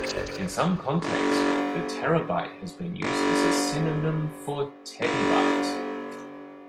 In some contexts, the terabyte has been used as a synonym for tebibyte.